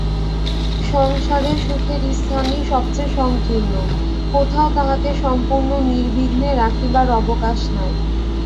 সংসারে সুখের স্থানই সবচেয়ে সংকীর্ণ–কোথাও তাহাকে সম্পূর্ণ নির্বিঘ্নে রাখিবার অবকাশ নাই।